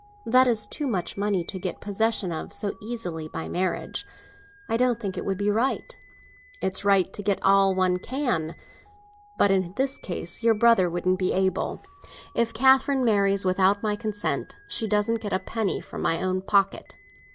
That is too much money to get possession of so easily, by marrying. I don't think it would be right." "It's right to get all one can. But in this case your brother wouldn't be able. If Catherine marries without my consent, she doesn't get a penny from my own pocket."